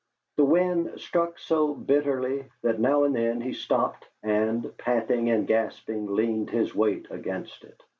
The wind struck so bitterly that now and then he stopped and, panting and gasping, leaned his weight against it.